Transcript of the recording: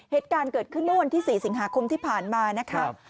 เหตุการณ์เกิดขึ้นเมื่อวันที่๔สิงหาคมที่ผ่านมานะครับ